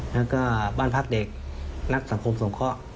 แล้วก็บ้านพักเด็กนักสังคมสงเคราะห์